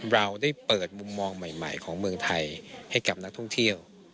เราได้เปิดมุมมองใหม่ของเมืองไทยให้กับนักท่องเที่ยว